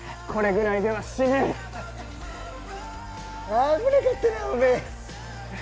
危なかったなおめえ。